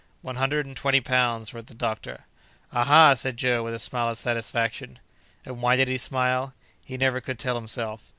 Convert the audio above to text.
"One hundred and twenty pounds," wrote the doctor. "Ah! ha!" said Joe, with a smile of satisfaction And why did he smile? He never could tell himself.